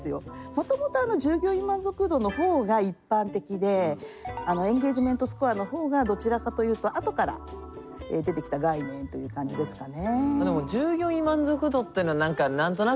もともと従業員満足度の方が一般的でエンゲージメントスコアの方がどちらかというとあとから出てきた概念という感じですかね。